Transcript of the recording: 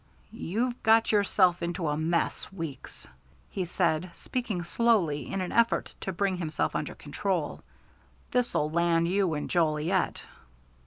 "You've got yourself into a mess, Weeks," he said, speaking slowly in an effort to bring himself under control. "This'll land you in Joliet."